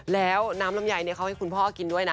แล้วน้ำลำไยเขาให้คุณพ่อกินด้วยนะ